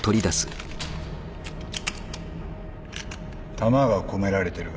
弾が込められてるが。